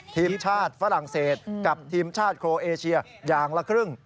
ทีมชาติฝรั่งเศสกับทีมชาติโครเอเชียอย่างละครึ่ง